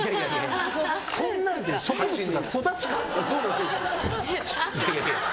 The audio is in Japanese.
そんなんで植物が育つか！